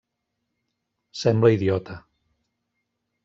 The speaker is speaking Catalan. Sembla idiota.